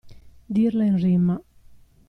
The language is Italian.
Dirla in rima.